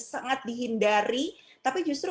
sangat dihindari tapi justru